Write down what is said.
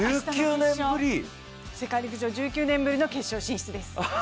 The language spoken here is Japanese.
世界陸上１９年ぶりの決勝進出です。